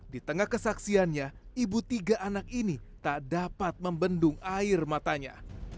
di tengah kesaksiannya ibu tiga anak ini tak dapat membendung air matanya